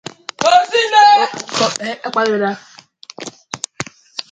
It has not been confirmed to be present in the Persian Gulf.